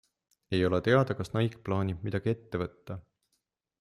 Ei ole teada, kas Nike plaanib midagi ette võtta.